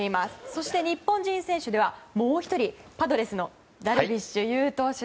そして、日本人選手ではもう１人パドレスのダルビッシュ有投手。